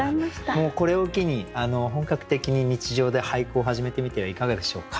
もうこれを機に本格的に日常で俳句を始めてみてはいかがでしょうか？